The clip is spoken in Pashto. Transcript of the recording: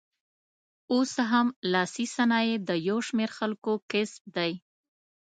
اوس هم لاسي صنایع د یو شمېر خلکو کسب دی.